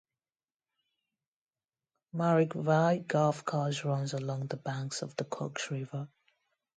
Marrickville Golf Course runs along the banks of the Cooks River.